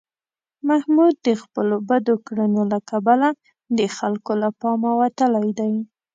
محمود د خپلو بدو کړنو له کبله د خلکو له پامه وتلی دی.